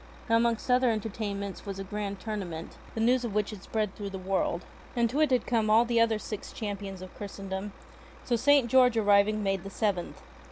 Now amongst other entertain ments was a grand tournament, the news of which had spread through the world. And to it had come all the other Six Champions of Christendom ; so St. George arriving made the Seventh.